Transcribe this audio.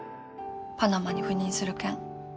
パナマに赴任する件。